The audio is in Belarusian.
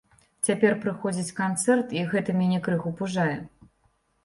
Цяпер прыходзіць канцэрт, і гэта мяне крыху пужае.